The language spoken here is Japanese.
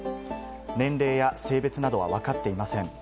年齢や性別などはわかっていません。